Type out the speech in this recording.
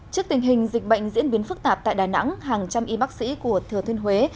trước tình hình dịch bệnh diễn biến phức tạp tại đà nẵng hàng trăm y bác sĩ của thừa thiên huế